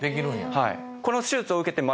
はい。